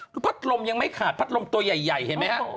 คือพัดลมยังไม่ขาดพัดลมตัวใหญ่เห็นไหมฮะ